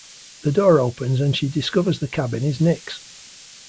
The door opens and she discovers the cabin is Nick's.